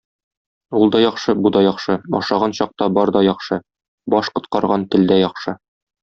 Ул да яхшы, бу да яхшы, ашаган чакта бар да яхшы, баш коткарган тел дә яхшы.